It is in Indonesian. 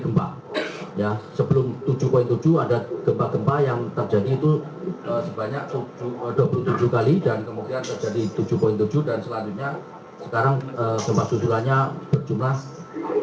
sebelum tujuh tujuh ada gempa gempa yang terjadi itu sebanyak dua puluh tujuh kali dan kemudian terjadi tujuh tujuh dan selanjutnya sekarang gempa susulannya berjumlah tiga puluh satu kali